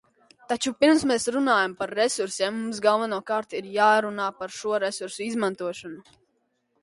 Taču, pirms mēs runājam par resursiem, mums galvenokārt ir jārunā par šo resursu izmantošanu.